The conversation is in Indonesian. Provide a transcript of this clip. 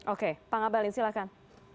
oke pak ngabalin silakan